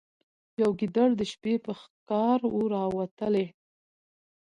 یو ګیدړ د شپې په ښکار وو راوتلی